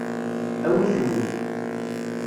Awit wi.